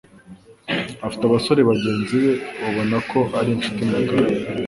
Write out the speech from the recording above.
afite abasore bagenzi be ubona ko ari inshuti magara